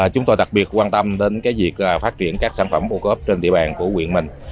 chúng tôi đặc biệt quan tâm đến việc phát triển các sản phẩm ô cốp trên địa bàn của quyện mình